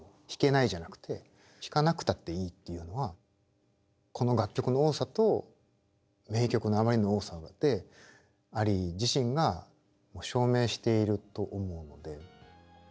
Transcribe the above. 「弾けない」じゃなくて弾かなくたっていいっていうのはこの楽曲の多さと名曲のあまりの多さでアリー自身が証明していると思うので。